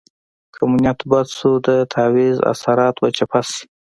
که مو نیت بد شو د تعویض اثرات به چپه شي.